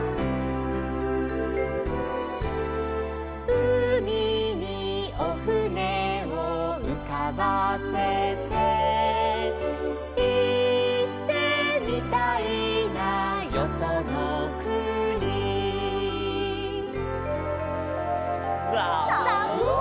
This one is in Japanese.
「うみにおふねをうかばせて」「いってみたいなよそのくに」ザブン！